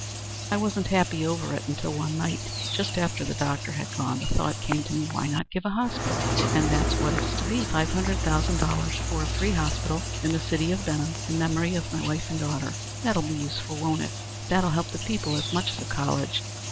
I wasn't happy over it until one night, just after the doctor had gone, the thought came to me, 'Why, not give a hospital?' And that's what it's to be. Five hundred thousand dollars for a free hospital in the City of Benham, in memory of my wife and daughter. That'll be useful, won't it? That'll help the people as much as a college?